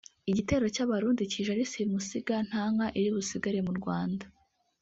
igitero cy’Abarundi kije ari simusiga nta nka iri busigare mu Rwanda”